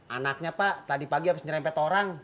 anaknya pak tadi pagi harus nyerempet orang